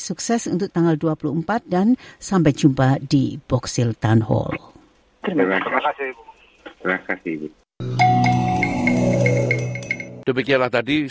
sukses untuk tanggal dua puluh empat dan sampai jumpa di box hill town hall